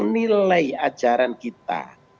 menilai ajaran kita